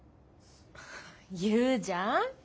言うじゃん。